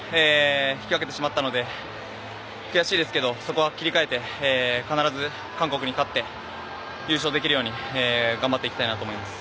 引き分けてしまったので悔しいですけどそこは切り替えて必ず韓国に勝って優勝できるように頑張っていきたいなと思います。